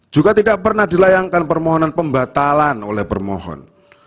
juga tidak pernah dilayangkan permohonan pembatalan oleh permohon